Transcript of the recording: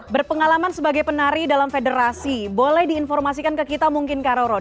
berpengalaman sebagai penari dalam federasi boleh diinformasikan ke kita mungkin karoro